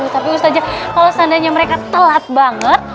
tapi ustaz kalau seandainya mereka telat banget